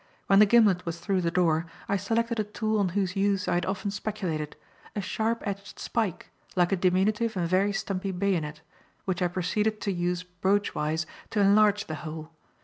When the gimlet was through the door, I selected a tool on whose use I had often speculated a sharp edged spike, like a diminutive and very stumpy bayonet which I proceeded to use broach wise to enlarge the hole.